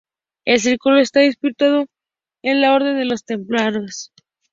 El Círculo está inspirada en la Orden de los Templarios.